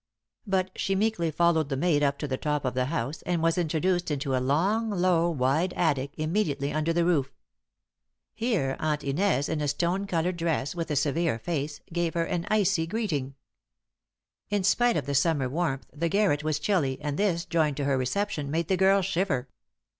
But she meekly followed the maid up to the top of the house, and was introduced into a long, low, wide attic, immediately under the roof. Here Aunt Inez, in a stone coloured dress, with a severe face, gave her an icy greeting. In spite of the summer warmth the garret was chilly, and this, joined to her reception, made the girl shiver.